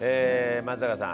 松坂さん。